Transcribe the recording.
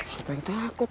siapa yang takut